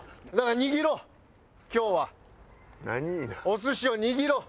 お寿司を握ろう。